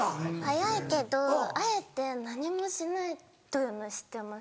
早いけどあえて何もしないというのをしてます。